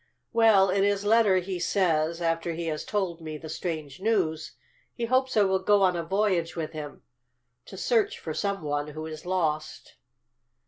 "Well, in his letter he says, after he has told me the strange news, he hopes I will go on a voyage with him to search for some one who is lost."